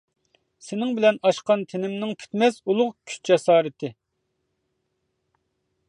سېنىڭ بىلەن ئاشقان تېنىمنىڭ پۈتمەس ئۇلۇغ كۈچ-جاسارىتى.